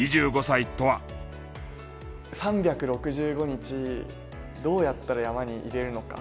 ３６５日どうやったら山に居られるのか。